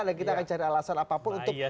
dan kita akan cari alasan apapun untuk